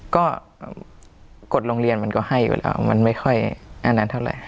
ก็กฎโรงเรียนมันก็ให้อยู่แล้วมันไม่ค่อยอันนั้นเท่าไหร่